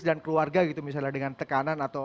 dan keluarga gitu misalnya dengan tekanan atau